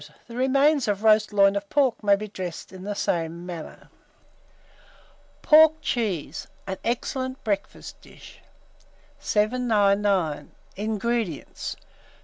The remains of roast loin of pork may be dressed in the same manner. PORK CHEESE (an Excellent Breakfast Dish). 799. INGREDIENTS.